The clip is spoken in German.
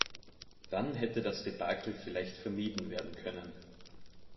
Dann hätte das Debakel vielleicht vermieden werden können.